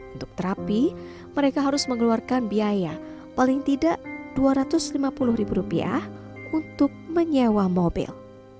untuk terapi mereka harus mengeluarkan biaya paling tidak dua ratus lima puluh ribu rupiah untuk menyewa mobil